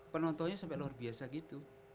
penontonnya sampai luar biasa gitu